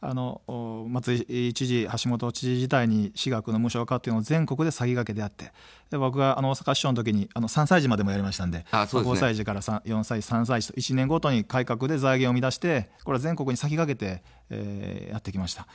松井知事、橋下知事時代に私学の無償化というのを全国で先駆けてやって僕が大阪市長の時に３歳児までやりましたので、５歳児から４歳児、３歳児と１年ごとに改革で財源を生み出して全国に先駆けてやってきました。